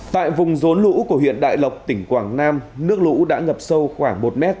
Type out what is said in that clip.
tại vùng rốn lũ của huyện đại lộc tỉnh quảng nam nước lũ đã ngập sâu khoảng một m